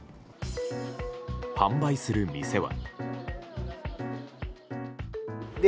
販売する店は。